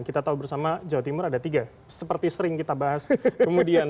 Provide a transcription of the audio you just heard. kita tahu bersama jawa timur ada tiga seperti sering kita bahas kemudian